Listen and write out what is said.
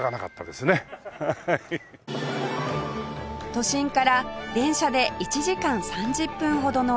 都心から電車で１時間３０分ほどの木更津